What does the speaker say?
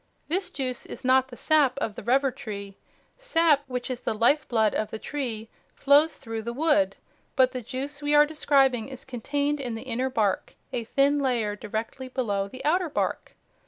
This juice is not the sap of the rubber tree. Sap, which is the life blood of the tree, flows through the wood, but the juice we are describing is contained in the inner bark, a thin layer directly below the outer bark.